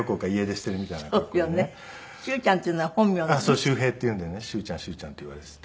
修平っていうんでね「修ちゃん修ちゃん」って言われてて。